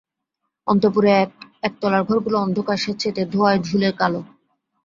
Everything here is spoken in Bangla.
অন্তঃপুরে একতলার ঘরগুলো অন্ধকার, স্যাঁতসেঁতে, ধোঁয়ায় ঝুলে কালো।